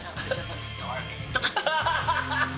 ハハハハ！